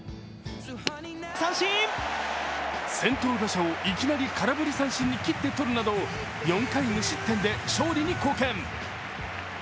先頭打者をいきなり空振り三振に切ってとるなど４回無失点で勝利に貢献。